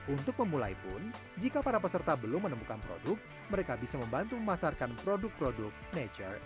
untuk memulai pun jika para peserta belum menemukan produk mereka bisa membantu memasarkan produk produk nature